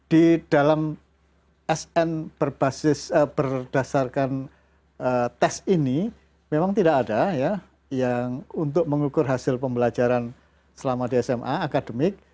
di dalam sn berbasis berdasarkan tes ini memang tidak ada yang untuk mengukur hasil pembelajaran selama di sma akademik